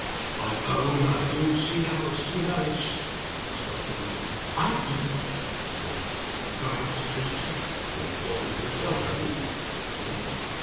"I own I don't see how it's to be managed " She stopped him there. "I do!" "What!" he cried out, suspiciously. "You have thought of it yourself, have you?" "Yes."